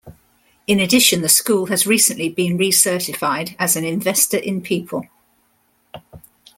In addition the school has recently been re-certified as an investor in people.